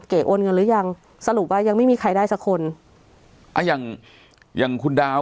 โอนเงินหรือยังสรุปว่ายังไม่มีใครได้สักคนอ่าอย่างอย่างคุณดาว